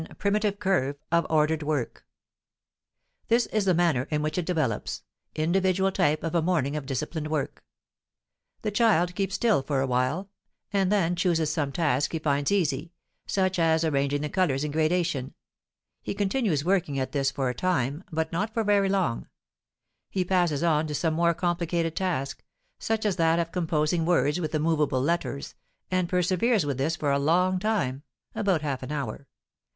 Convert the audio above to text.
PRIMITIVE CURVE OF ORDERED WORK This is the manner in which it develops; individual type of a morning of disciplined work. [Illustration: Primitive Curve of Ordered Work] The child keeps still for a while, and then chooses some task he finds easy, such as arranging the colors in gradation; he continues working at this for a time, but not for very long; he passes on to some more complicated task, such as that of composing words with the movable letters, and perseveres with this for a long time (about half an hour).